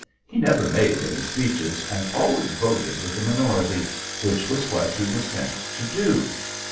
He never made any speeches, and always voted with the minority, which was what he was sent to do.